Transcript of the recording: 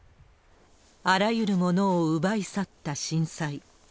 あらゆるものを奪い去った震災。